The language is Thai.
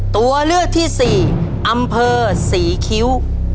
ตัวเลือกที่สี่อำเภอศรีคิ้ว